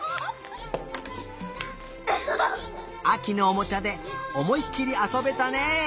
あきのおもちゃでおもいっきりあそべたね！